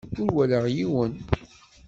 Ur walaɣ yiwen.